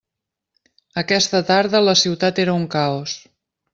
Aquesta tarda la ciutat era un caos.